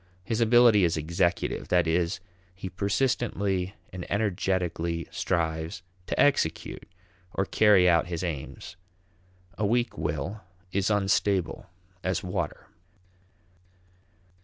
His ability is executive; that is, he persistently and energetically strives to execute or carry out his aims. A weak will is unstable as water.